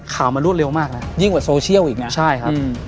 ข่าวมันรวดเร็วมากนะยิ่งกว่าโซเชียลอีกนะใช่ครับ